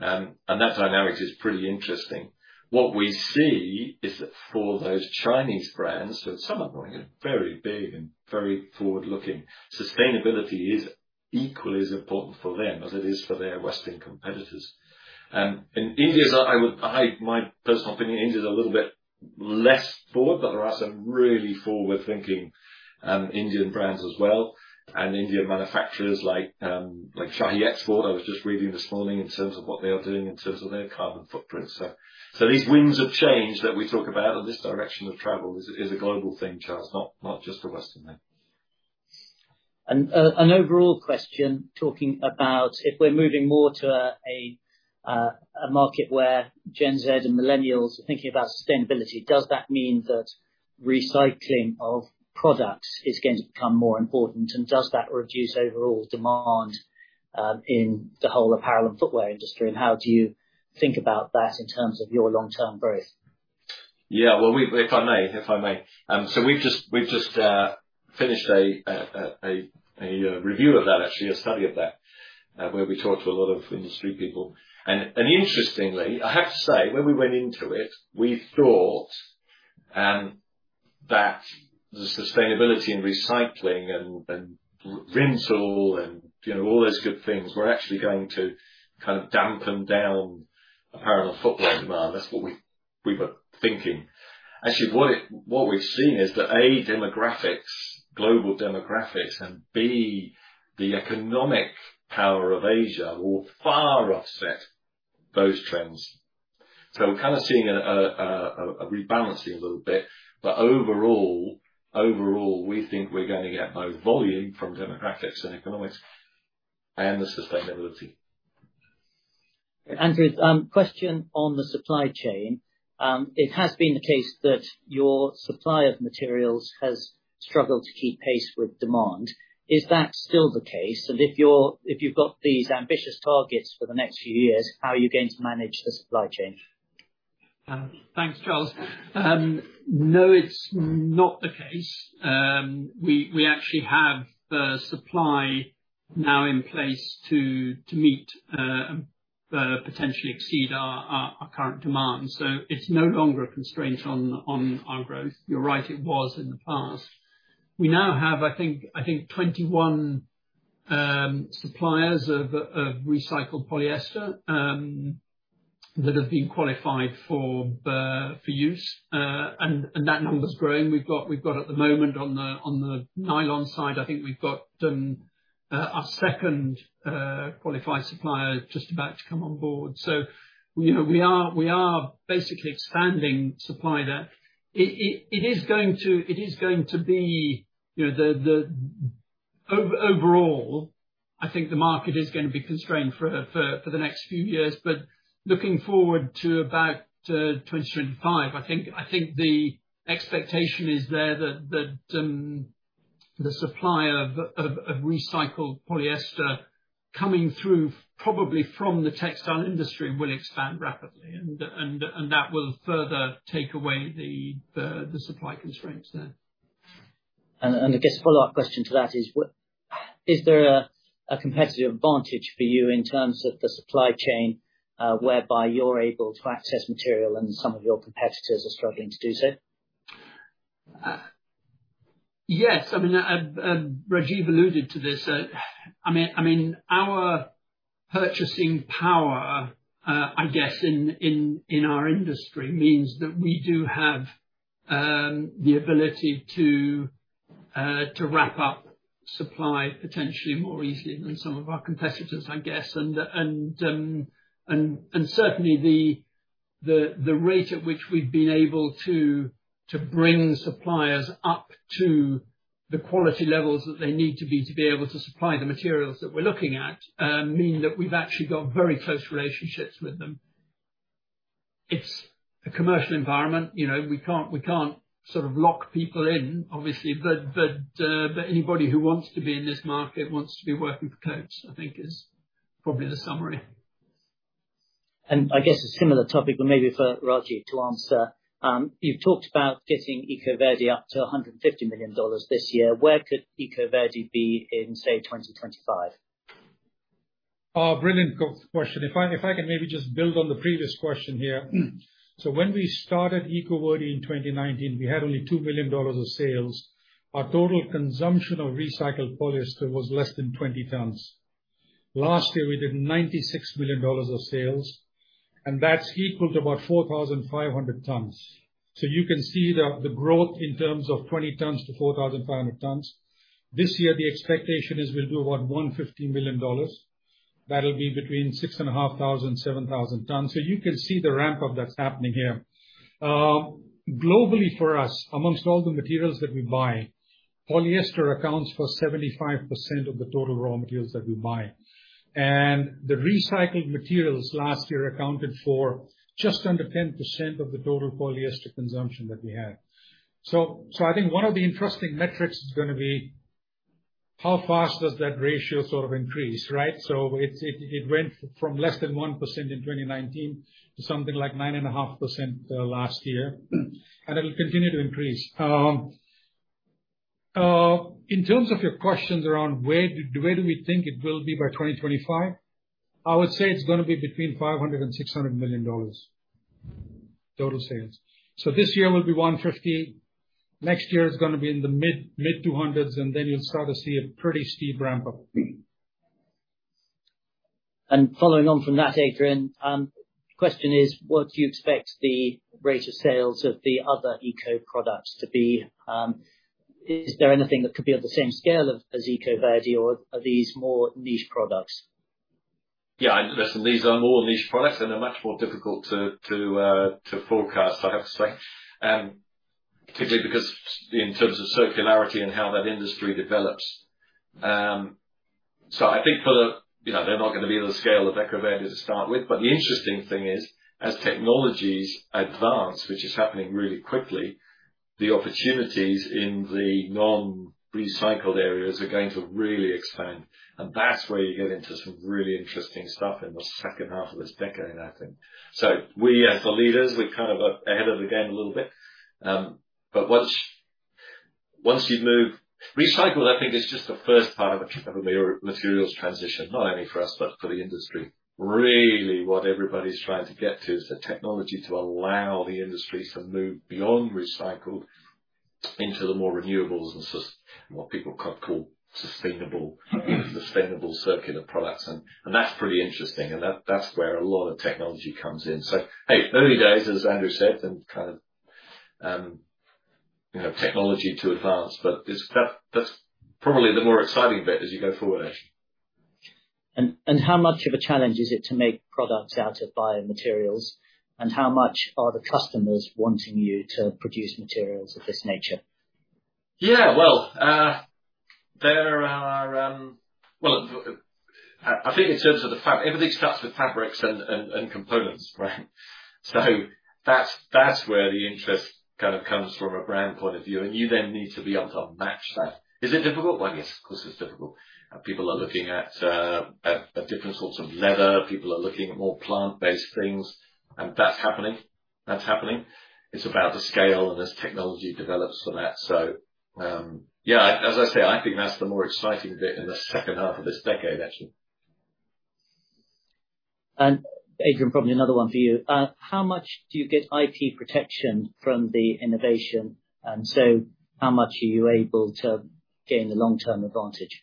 That dynamic is pretty interesting. What we see is that for those Chinese brands, some are growing very big and very forward-looking, sustainability is equally as important for them as it is for their Western competitors. In India, my personal opinion, India is a little bit less forward, but there are some really forward-thinking Indian brands as well, and Indian manufacturers like Shahi Exports. I was just reading this morning in terms of what they are doing in terms of their carbon footprint. These winds of change that we talk about and this direction of travel is a global thing, Charles, not just a Western thing. An overall question talking about if we're moving more to a market where Gen Z and Millennials are thinking about sustainability, does that mean that recycling of products is going to become more important? Does that reduce overall demand in the whole apparel and footwear industry? How do you think about that in terms of your long-term growth? If I may. We've just finished a review of that actually, a study of that, where we talked to a lot of industry people. Interestingly, I have to say, when we went into it, we thought that the sustainability and recycling and rental and, you know, all those good things were actually going to kind of dampen down apparel and footwear demand. That's what we were thinking. Actually, what we've seen is that, A. Demographics, Global Demographics, and B. The Economic Power of Asia will far offset those trends. We're kind of seeing a rebalancing a little bit. Overall, we think we're gonna get both volume from demographics and economics and the sustainability. Andrew, question on the supply chain. It has been the case that your supply of materials has struggled to keep pace with demand. Is that still the case? If you've got these ambitious targets for the next few years, how are you going to manage the supply chain? Thanks, Charles. No, it's not the case. We actually have the supply now in place to meet potentially exceed our current demand. It's no longer a constraint on our growth. You're right, it was in the past. We now have, I think, 21 suppliers of recycled polyester that have been qualified for use. That number is growing. We've got at the moment on the nylon side, I think we've got our second qualified supplier just about to come on board. You know, we are basically expanding supply there. It is going to be, you know, the overall. I think the market is gonna be constrained for the next few years. Looking forward to about 2025, I think the expectation is there that the supply of recycled polyester coming through probably from the textile industry will expand rapidly and that will further take away the supply constraints there. I guess a follow-up question to that is there a competitive advantage for you in terms of the supply chain, whereby you're able to access material and some of your competitors are struggling to do so? Yes. I mean, Rajiv alluded to this. I mean, our purchasing power, I guess in our industry means that we do have the ability to wrap up supply potentially more easily than some of our competitors, I guess. Certainly the rate at which we've been able to bring suppliers up to the quality levels that they need to be able to supply the materials that we're looking at mean that we've actually got very close relationships with them. It's a commercial environment. You know, we can't sort of lock people in, obviously. Anybody who wants to be in this market wants to be working for Coats, I think is probably the summary. I guess a similar topic, but maybe for Rajiv to answer. You've talked about getting EcoVerde up to $150 million this year. Where could EcoVerde be in, say, 2025? Brilliant question. If I can maybe just build on the previous question here. When we started EcoVerde in 2019, we had only $2 million of sales. Our total consumption of recycled polyester was less than 20 tons. Last year, we did $96 million of sales, and that's equal to about 4,500 tons. You can see the growth in terms of 20 tons to 4,500 tons. This year, the expectation is we'll do about $115 million. That'll be between 6,500 tons and 7,000 tons. You can see the ramp-up that's happening here. Globally for us, amongst all the materials that we buy, polyester accounts for 75% of the total raw materials that we buy. The recycled materials last year accounted for just under 10% of the total polyester consumption that we had. I think one of the interesting metrics is gonna be how fast does that ratio sort of increase, right? It went from less than 1% in 2019 to something like 9.5% last year. It'll continue to increase. In terms of your questions around where do we think it will be by 2025, I would say it's gonna be between $500 million and $600 million total sales. This year will be $150 million. Next year it's gonna be in the mid-200s, and then you'll start to see a pretty steep ramp up. Following on from that, Adrian, question is what do you expect the rate of sales of the other eco products to be? Is there anything that could be on the same scale as EcoVerde, or are these more niche products? Yeah, listen, these are more niche products, and they're much more difficult to forecast, I have to say. Particularly because in terms of circularity and how that industry develops. I think. You know, they're not gonna be on the scale of EcoVerde to start with. The interesting thing is, as technologies advance, which is happening really quickly, the opportunities in the non-recycled areas are going to really expand. That's where you get into some really interesting stuff in the second half of this decade, I think. We, as the leaders, we're kind of, like, ahead of the game a little bit. Once you move. Recycle, I think, is just the first part of a materials transition, not only for us, but for the industry. Really, what everybody's trying to get to is the technology to allow the industry to move beyond recycled into the more renewables and sustainable circular products. That's pretty interesting, and that's where a lot of technology comes in. Hey, early days, as Andrew said, and kind of, you know, technology to advance, but that's probably the more exciting bit as you go forward, actually. How much of a challenge is it to make products out of bio materials, and how much are the customers wanting you to produce materials of this nature? Yeah. Well, I think in terms of everything starts with fabrics and components, right? That's where the interest kind of comes from a brand point of view, and you then need to be able to match that. Is it difficult? Well, yes, of course, it's difficult. People are looking at different sorts of leather. People are looking at more plant-based things, and that's happening. It's about the scale and as technology develops for that. Yeah, as I say, I think that's the more exciting bit in the second half of this decade, actually. Adrian, probably another one for you. How much do you get IP protection from the innovation? How much are you able to gain the long-term advantage?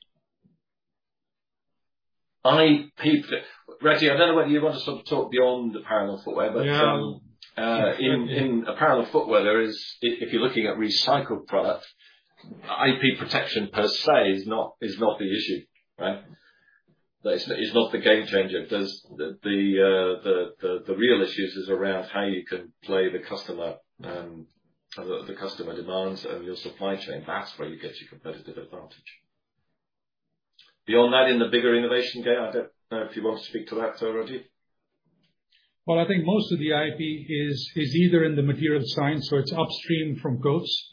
Rajiv, I don't know whether you want to sort of talk beyond apparel and footwear. Yeah. In apparel and footwear, if you're looking at recycled product, IP protection per se is not the issue, right? That is not the game changer. The real issues is around how you can play the customer demands and your supply chain. That's where you get your competitive advantage. Beyond that, in the bigger innovation gate, I don't know if you want to speak to that though, Rajiv. Well, I think most of the IP is either in the material science, so it's upstream from Coats,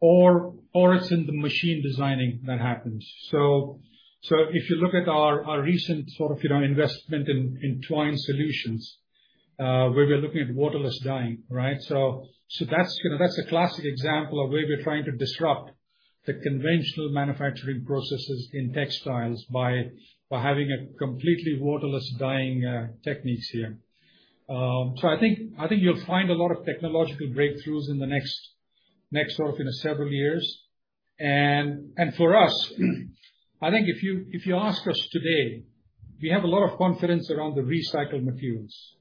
or it's in the machine designing that happens. If you look at our recent sort of, you know, investment in Twine Solutions, where we are looking at waterless dyeing, right? That's, you know, that's a classic example of where we're trying to disrupt the conventional manufacturing processes in textiles by having a completely waterless dyeing techniques here. I think you'll find a lot of technological breakthroughs in the next sort of, you know, several years. For us, I think if you ask us today, we have a lot of confidence around the recycled materials.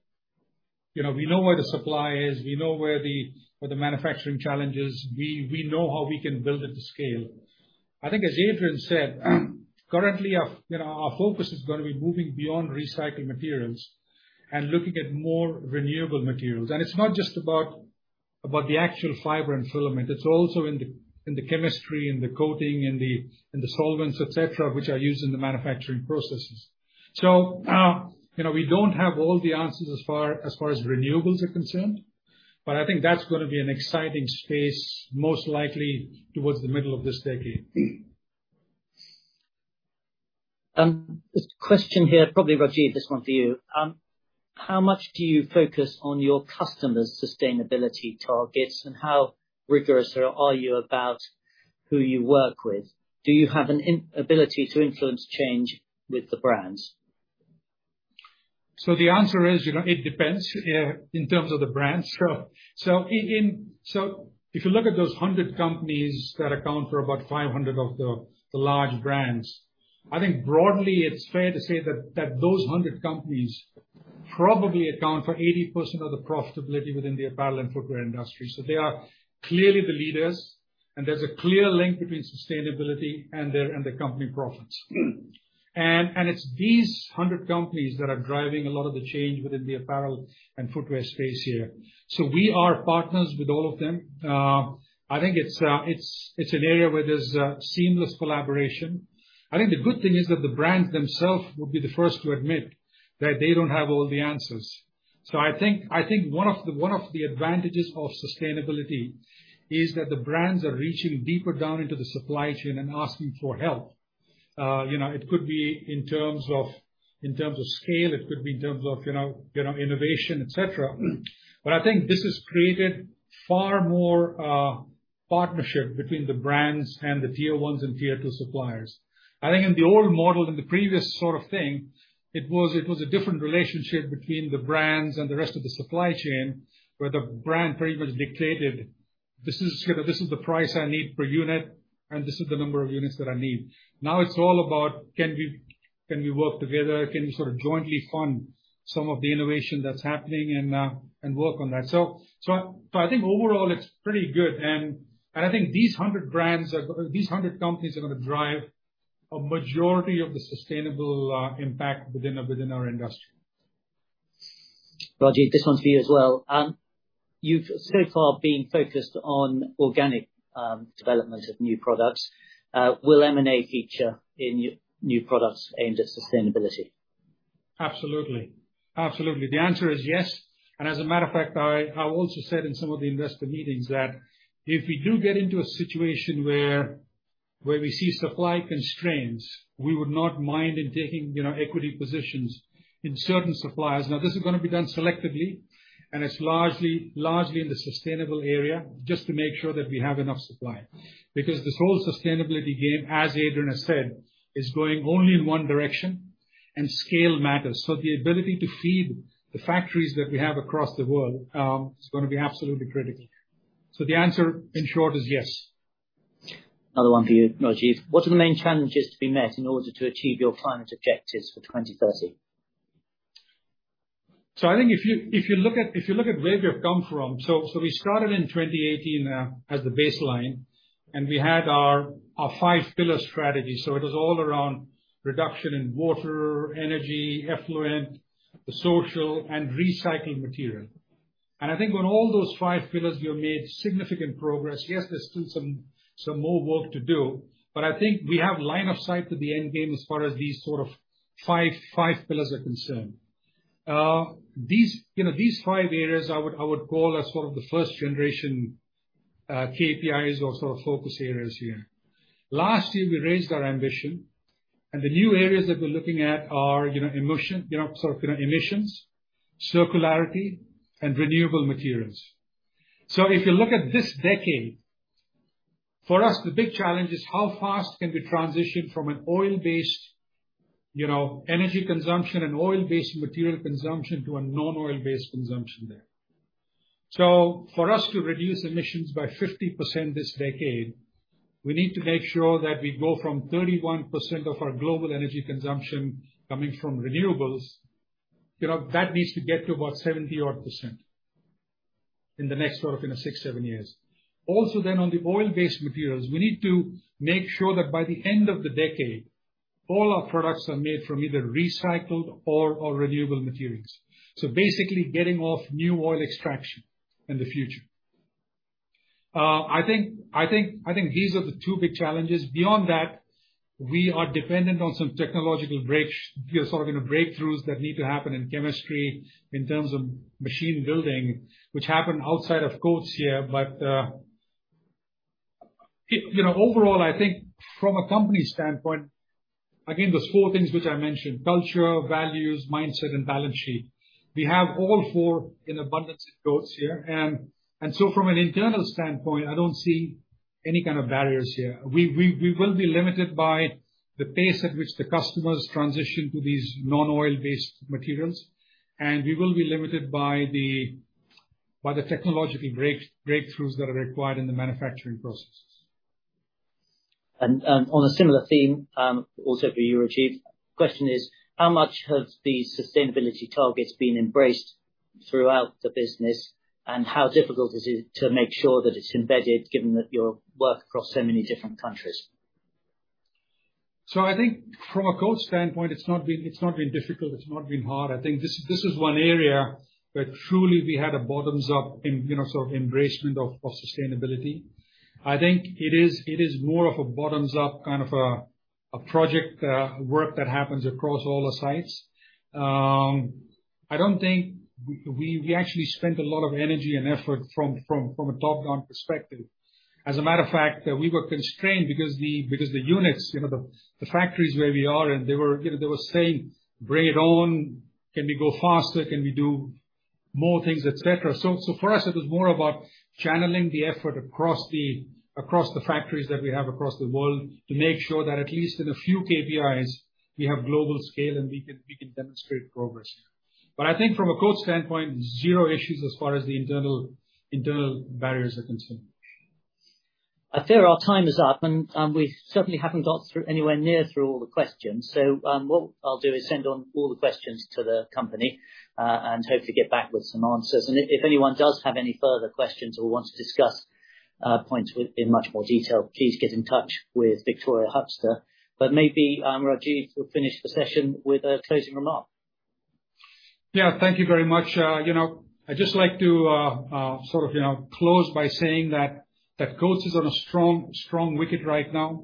You know, we know where the supply is, we know where the manufacturing challenge is. We know how we can build it to scale. I think as Adrian said, currently, you know, our focus is gonna be moving beyond recycled materials and looking at more renewable materials. It's not just about the actual fiber and filament, it's also in the chemistry and the coating and the solvents, et cetera, which are used in the manufacturing processes. You know, we don't have all the answers as far as renewables are concerned, but I think that's gonna be an exciting space, most likely towards the middle of this decade. This question here, probably Rajiv, this one for you. How much do you focus on your customers' sustainability targets, and how rigorous are you about who you work with? Do you have an inability to influence change with the brands? The answer is, you know, it depends in terms of the brands. If you look at those 100 companies that account for about 500 of the large brands, I think broadly it's fair to say that those 100 companies probably account for 80% of the profitability within the apparel and footwear industry. They are clearly the leaders, and there's a clear link between sustainability and their and the company profits. It's these 100 companies that are driving a lot of the change within the apparel and footwear space here. We are partners with all of them. I think it's an area where there's seamless collaboration. I think the good thing is that the brands themselves would be the first to admit that they don't have all the answers. I think one of the advantages of sustainability is that the brands are reaching deeper down into the supply chain and asking for help. You know, it could be in terms of scale, it could be in terms of you know, innovation, et cetera. But I think this has created far more partnership between the brands and the tier one and tier 2 suppliers. I think in the old model, in the previous sort of thing, it was a different relationship between the brands and the rest of the supply chain, where the brand pretty much dictated, "This is, you know, this is the price I need per unit, and this is the number of units that I need." Now it's all about can we work together? Can we sort of jointly fund some of the innovation that's happening and work on that? I think overall it's pretty good. I think these 100 companies are gonna drive a majority of the sustainable impact within our industry. Rajiv, this one's for you as well. You've so far been focused on organic development of new products. Will M&A feature in new products aimed at sustainability? Absolutely. The answer is yes. As a matter of fact, I also said in some of the investor meetings that if we do get into a situation where we see supply constraints, we would not mind in taking, you know, equity positions in certain suppliers. Now, this is gonna be done selectively, and it's largely in the sustainable area, just to make sure that we have enough supply. Because this whole sustainability game, as Adrian has said, is going only in one direction, and scale matters. The answer, in short, is yes. Another one for you, Rajiv. What are the main challenges to be met in order to achieve your climate objectives for 2030? I think if you look at where we have come from. We started in 2018 as the baseline, and we had our five-pillar strategy. It was all around reduction in water, energy, effluent, the social, and recycled material. I think on all those five pillars, we have made significant progress. Yes, there's still some more work to do, but I think we have line of sight to the end game as far as these sort of five pillars are concerned. These five areas I would call as sort of the first generation KPIs or sort of focus areas here. Last year, we raised our ambition, and the new areas that we're looking at are emissions, circularity, and renewable materials. If you look at this decade, for us, the big challenge is how fast can we transition from an oil-based, you know, energy consumption and oil-based material consumption to a non-oil-based consumption there. For us to reduce emissions by 50% this decade, we need to make sure that we go from 31% of our global energy consumption coming from renewables, you know. That needs to get to about 70% odd in the next sort of, you know, six to seven years. Also then on the oil-based materials, we need to make sure that by the end of the decade, all our products are made from either recycled or renewable materials, basically getting off new oil extraction in the future. I think these are the two big challenges. Beyond that, we are dependent on some technological breakthroughs that need to happen in chemistry in terms of machine building, which happen outside of Coats here. You know, overall, I think from a company standpoint, again, those four things which I mentioned, culture, values, mindset, and balance sheet. We have all four in abundance in Coats here. From an internal standpoint, I don't see any kind of barriers here. We will be limited by the pace at which the customers transition to these non-oil based materials, and we will be limited by the technological breakthroughs that are required in the manufacturing processes. On a similar theme, also for you, Rajiv, question is, how much have the sustainability targets been embraced throughout the business, and how difficult is it to make sure that it's embedded given that you work across so many different countries? I think from a Coats standpoint, it's not been difficult. It's not been hard. I think this is one area where truly we had a bottoms-up, you know, sort of embracement of sustainability. I think it is more of a bottoms-up, kind of a project work that happens across all the sites. I don't think we actually spent a lot of energy and effort from a top-down perspective. As a matter of fact, we were constrained because the units, you know, the factories where we are and they were saying, "Bring it on. Can we go faster? Can we do more things," et cetera. For us, it was more about channeling the effort across the factories that we have across the world to make sure that at least in a few KPIs, we have global scale and we can demonstrate progress. I think from a Coats standpoint, zero issues as far as the internal barriers are concerned. I fear our time is up, and we certainly haven't got through, anywhere near through all the questions. What I'll do is send on all the questions to the company, and hopefully get back with some answers. If anyone does have any further questions or wants to discuss points within much more detail, please get in touch with Victoria Hubster. Maybe, Rajiv, we'll finish the session with a closing remark. Yeah. Thank you very much. You know, I'd just like to sort of, you know, close by saying that Coats is on a strong wicket right now.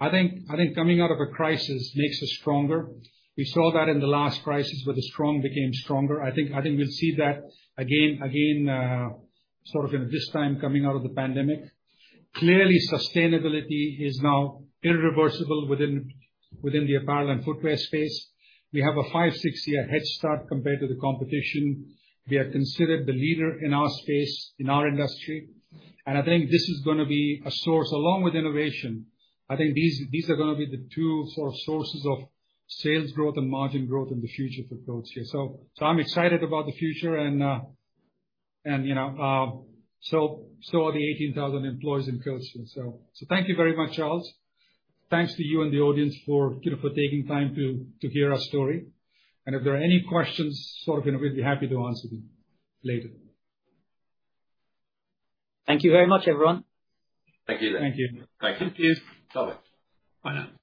I think coming out of a crisis makes us stronger. We saw that in the last crisis, where the strong became stronger. I think we'll see that again sort of in this time coming out of the pandemic. Clearly, sustainability is now irreversible within the apparel and footwear space. We have a five to six year head start compared to the competition. We are considered the leader in our space, in our industry, and I think this is gonna be a source, along with innovation, I think these are gonna be the two sort of sources of sales growth and margin growth in the future for Coats here. I'm excited about the future and, you know, so are the 18,000 employees in Coats. Thank you very much, Charles. Thanks to you and the audience for, you know, taking time to hear our story. If there are any questions, sort of, you know, we'd be happy to answer them later. Thank you very much, everyone. Thank you. Bye-bye. Bye now. [crosstalk]